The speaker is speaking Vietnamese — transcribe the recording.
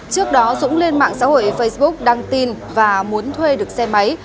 trước đó dũng lên mạng xã hội facebook đăng tin và muốn thuê được xe máy